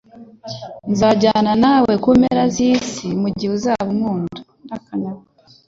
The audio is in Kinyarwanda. Nzajyana nawe ku mpera z’isi mu gihe uzaba ukinkunda